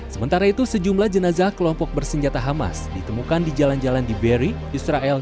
sementara itu sejumlah jenazah kelompok bersenjata hamas ditemukan di jalan jalan di beri israel